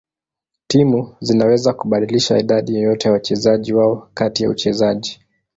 Timu zinaweza kubadilisha idadi yoyote ya wachezaji wao kati ya uchezaji.